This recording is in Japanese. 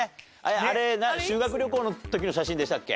あれ修学旅行の時の写真でしたっけ？